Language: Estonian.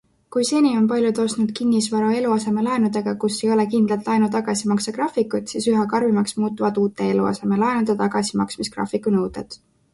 Kui seni on paljud ostnud kinnisvara eluasemelaenudega, kus ei ole kindlat laenu tagasimaksegraafikut, siis üha karmimaks muutuvad uute eluasemelaenude tagasimaksmisgraafiku nõuded.